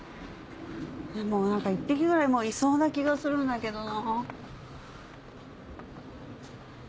もう１匹ぐらいいそうな気がするんだけどな。